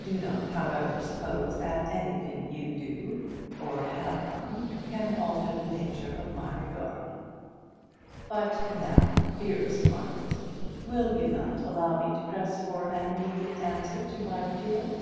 Do not, however, suppose that anything you can do or have done, can alter the nature of my regard. But now, dearest Margaret, will you not allow me to press for an immediate answer to my appeal?